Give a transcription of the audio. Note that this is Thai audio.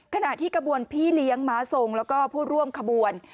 ขณะที่กระบวนพี่เลี้ยงม้าทรงแล้วก็ผู้ร่วมขบวน